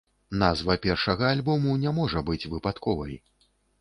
Назва першага альбому не можа быць выпадковай.